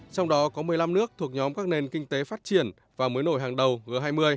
trong đó có một mươi năm nước thuộc nhóm các nền kinh tế phát triển và mới nổi hàng đầu g hai mươi